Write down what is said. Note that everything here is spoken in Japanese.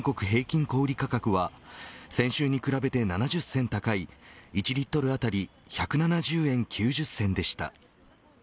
平均小売価格は先週に比べて７０銭高い１リットル当たり１７０円９０銭でした。